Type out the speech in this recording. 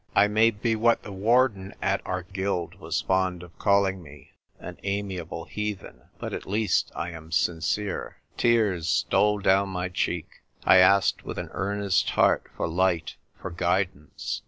I may be what the Warden at our Guild was fond of calling me, " an amiable heathen," but at least I am sincere. Tears stole down my cheek. I asked with an earnest heart for light, for guidance.